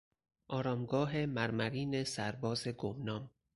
آرامگاه مرمرین سرباز گمنام